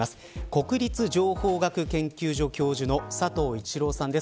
国立情報学研究所教授の佐藤一郎さんです。